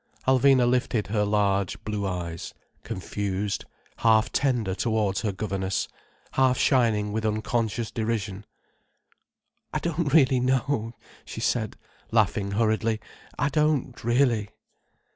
Alvina lifted her large, blue eyes, confused, half tender towards her governess, half shining with unconscious derision. "I don't really know," she said, laughing hurriedly. "I don't really."